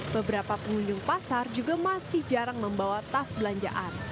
beberapa pengunjung pasar juga masih jarang membawa tas belanjaan